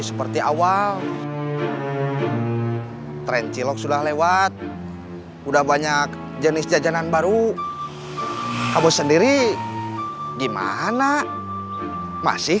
seperti awal tren cilok sudah lewat udah banyak jenis jajanan baru kamu sendiri gimana masih